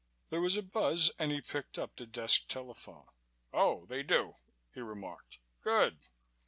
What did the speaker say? There was a buzz and he picked up the desk telephone. "Oh, they do," he remarked. "Good!"